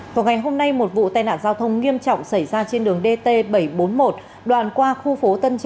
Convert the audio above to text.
vào ngày hôm nay một vụ tai nạn giao thông nghiêm trọng xảy ra trên đường dt bảy trăm bốn mươi một